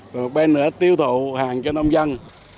một bên nữa tiêu thụ hàng cho nông dân